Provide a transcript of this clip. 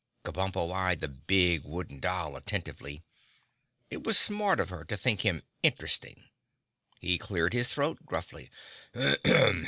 Kabumpo eyed the big Wooden Doll attentively. It was smart of her to think him interesting. He cleared his throat gruffly.